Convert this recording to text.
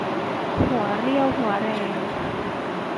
หัวเรี่ยวหัวแรง